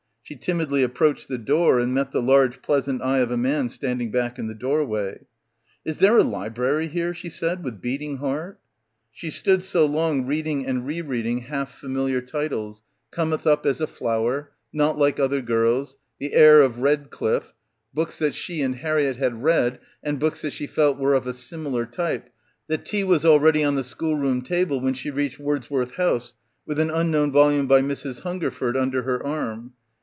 She timidly approached the door and met the large pleasant eye of a man standing back in the door way. "Is there a library here?" she said with beat ing heart. — 174 — BACKWATER She stood so long reading and re reading half familiar titles, "Cometh up as a Flower," "Not like other Girls," "The Heir of Redcliffe," books that she and Harriett had read and books that she felt were of a similar type, that tea was already on the schoolroom table when she reached Words worth House with an unknown volume by Mrs. Hungerford under her arm.